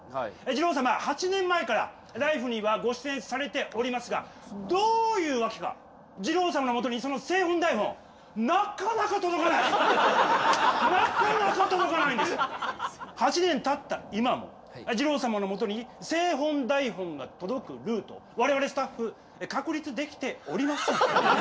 じろう様は８年前から「ＬＩＦＥ！」にはご出演されておりますがどういうわけかじろう様のもとにその製本台本なかなか届かない！なかなか届かないんです。８年たった今もじろう様のもとに製本台本が届くルートを我々スタッフ確立できておりません。